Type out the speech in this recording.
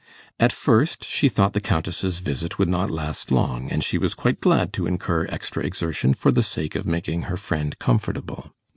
At first, she thought the Countess's visit would not last long, and she was quite glad to incur extra exertion for the sake of making her friend comfortable.